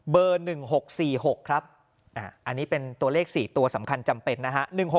๑๖๔๖ครับอันนี้เป็นตัวเลข๔ตัวสำคัญจำเป็นนะฮะ